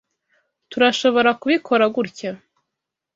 Turashoborakubikora gutya.